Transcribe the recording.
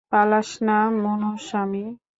পালাস না মুনুস্বামি।